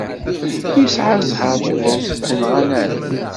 Yesɛa ẓẓher Yuba ur t-nɣan ara.